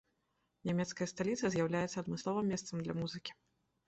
Нямецкая сталіца з'яўляецца адмысловым месцам для музыкі.